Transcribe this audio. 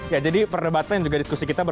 ya jadi perdebatan dan juga diskusi kita